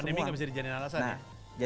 dan pandemi gak bisa dijanjikan alasan ya